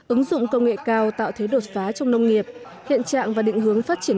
ứng dụng công nghệ cao tạo thế đột phá trong nông nghiệp hiện trạng và định hướng phát triển